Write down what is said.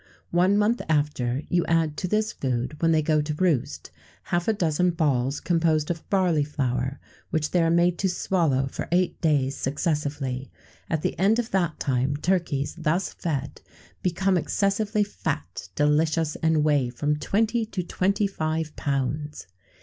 One month after, you add to this food, when they go to roost, half a dozen balls composed of barley floor, which they are made to swallow for eight days successively; at the end of that time turkeys, thus fed, become excessively fat, delicious, and weigh from twenty to twenty five pounds.